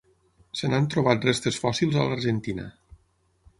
Se n'han trobat restes fòssils a l'Argentina.